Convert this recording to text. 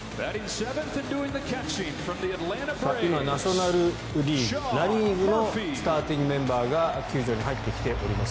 今、ナショナル・リーグナ・リーグのスターティングメンバーが球場に入ってきております。